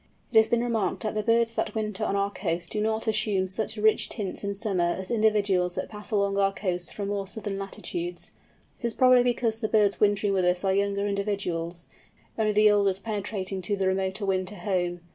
It has been remarked that the birds that winter on our coasts do not assume such rich tints in summer as individuals that pass along our coasts from more southern latitudes. This is probably because the birds wintering with us are younger individuals, only the oldest penetrating to the remoter winter home.